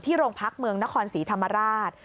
โรงพักเมืองนครศรีธรรมราช